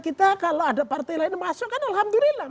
kita kalau ada partai lain masukkan alhamdulillah